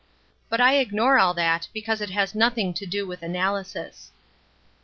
But I ignore all that, because it has nothing to do with analysis.